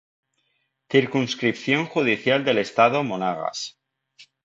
Circunscripción Judicial del estado Monagas.